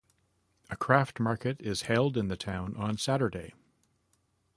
A craft market is held in the town on Saturdays.